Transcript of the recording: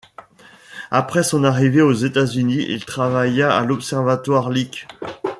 Après son arrivée aux États-Unis, il travailla à l'observatoire Lick.